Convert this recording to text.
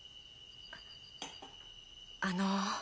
あの。